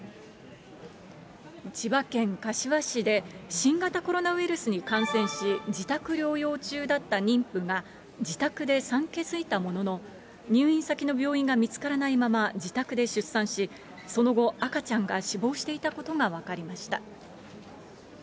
千葉県柏市で、新型コロナウイルスに感染し、自宅療養中だった妊婦が、自宅で産気づいたものの、入院先の病院が見つからないまま自宅で出産し、その後、赤ちゃんが死亡していたことが分かりました。